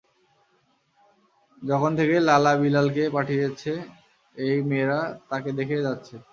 যখন থেকে লালা বিলালকে পাঠিয়েছে, এই মেয়েরা তাকে দেখেই যাচ্ছে।